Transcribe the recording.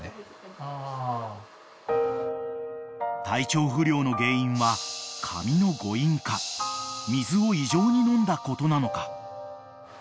［体調不良の原因は紙の誤飲か水を異常に飲んだことなのか］